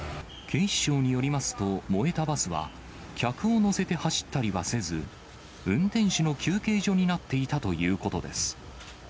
警視庁によりますと、燃えたバスは客を乗せて走ったりはせず、運転手の休憩所になっていたということです。